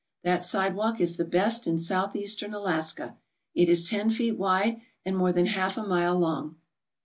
That sidewalk is the best in Southeastern Alaska, It is ten feet wide and more than half a mile long.